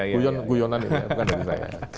guyonan gitu bukan dari saya